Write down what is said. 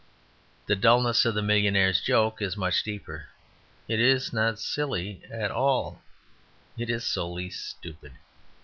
The dullness of the millionaire joke is much deeper. It is not silly at all; it is solely stupid.